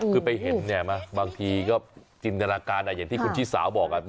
คือไปเห็นเนี่ยมาบางทีก็จินตนาการอ่ะอย่างที่คุณชี่สาวบอกอ่ะ